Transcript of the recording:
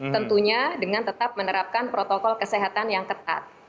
tentunya dengan tetap menerapkan protokol kesehatan yang ketat